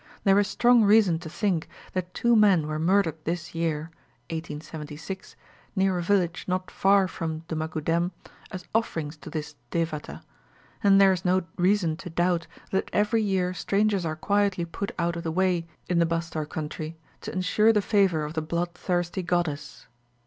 There is strong reason to think that two men were murdered this year (1876) near a village not far from Dummagudem as offerings to this devata, and there is no reason to doubt that every year strangers are quietly put out of the way in the Bastar country, to ensure the favour of the bloodthirsty goddess."